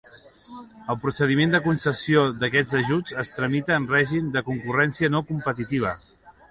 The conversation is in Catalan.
El procediment de concessió d'aquests ajuts es tramita en règim de concurrència no competitiva.